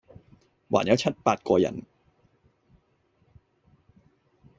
還有七八個人，